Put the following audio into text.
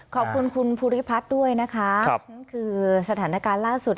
ขอบคุณคุณภูริพัฒน์ด้วยนะคะนั่นคือสถานการณ์ล่าสุด